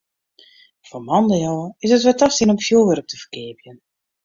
Fan moandei ôf is it wer tastien om fjoerwurk te ferkeapjen.